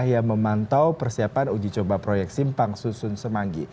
yang memantau persiapan uji coba proyek simpang susun semanggi